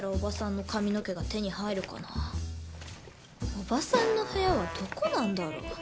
おばさんの部屋はどこなんだろ？